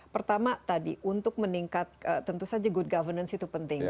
pertama tadi untuk meningkat tentu saja good governance itu penting